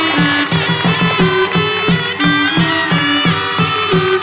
จังหวัดนกรสีธรมาราช